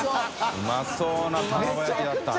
うまそうなたまご焼きだったな。